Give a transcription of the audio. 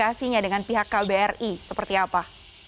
apa yang dikasihnya dengan pihak kbri seperti apa